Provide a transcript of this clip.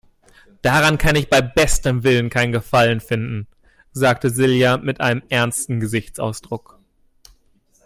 "Daran kann ich beim besten Willen keinen Gefallen finden", sagte Silja mit einem ernsten Gesichtsausdruck.